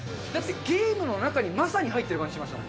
ゲームの中にまさに入ってる感じしましたもん。